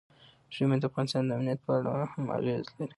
ژمی د افغانستان د امنیت په اړه هم اغېز لري.